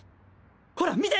ほら見て。